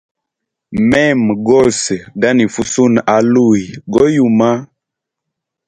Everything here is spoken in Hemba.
Mema gose ganifa usuna aluyi go yuma.